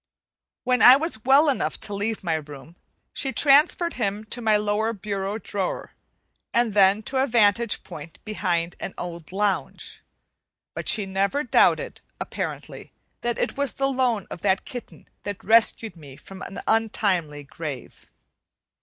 When I was well enough to leave my room, she transferred him to my lower bureau drawer, and then to a vantage point behind an old lounge. But she never doubted, apparently, that it was the loan of that kitten that rescued me from an untimely grave.